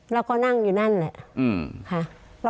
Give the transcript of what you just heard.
เราก็นั่งอยู่นั่นแหละค่ะ